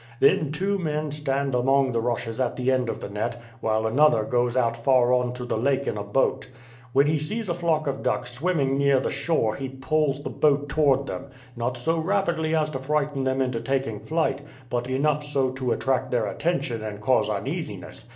Then two men stand among the rushes at the ends of the net, while another goes out far on to the lake in a boat. When he sees a flock of ducks swimming near the shore he poles the boat toward them; not so rapidly as to frighten them into taking flight, but enough so to attract their attention and cause uneasiness.